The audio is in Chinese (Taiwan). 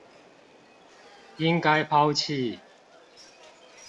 應該拋棄